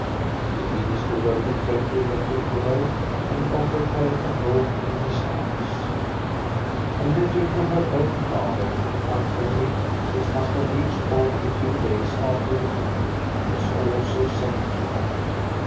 The minister wrote a friendly letter to her, and offered her a home in his house. A letter from her own father to Count Henrik, which must have reached Borg a few days after her 390 THE STORY OF GO ST A BE RUNG flight, was also sent to her.